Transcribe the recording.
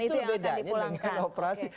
itu bedanya dengan operasi